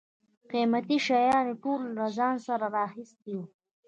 قیمتي شیان یې ټول له ځان سره را اخیستي و.